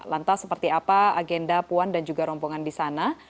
lantas seperti apa agenda puan dan juga rombongan di sana